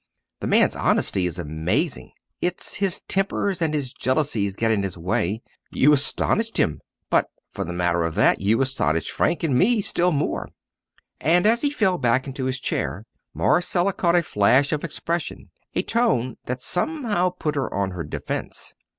The man's honesty is amazing, it's his tempers and his jealousies get in his way. You astonished him; but, for the matter of that, you astonished Frank and me still more!" And as he fell back into his chair, Marcella caught a flash of expression, a tone that somehow put her on her defence.